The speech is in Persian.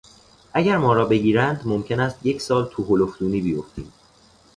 اگر ما را بگیرند ممکن است یک سال تو هلفدونی بیفتیم.